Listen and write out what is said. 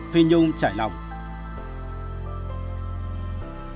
phi nhung cứ vào phòng chăm sóc